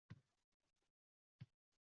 Eng yaqin shifoxona qayerda?